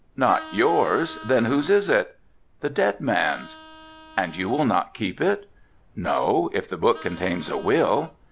"Not yours, then whose is it?" "The dead man's." "And you will not keep it?" "No, if the book contains a will."